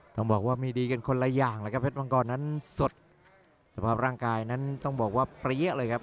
ต้องบอกว่ามีดีกันคนละอย่างเลยครับเพชรมังกรนั้นสดสภาพร่างกายนั้นต้องบอกว่าเปรี้ยเลยครับ